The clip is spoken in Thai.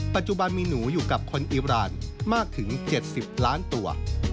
ปัจจุบันมีหนูอยู่กับคนอิราณมากถึง๗๐ล้านตัว